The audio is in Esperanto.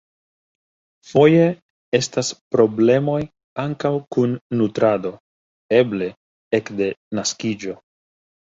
Foje estas problemoj ankaŭ kun nutrado, eble ekde naskiĝo.